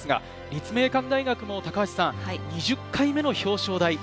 立命館大学も高橋さん、２０回目の表彰台。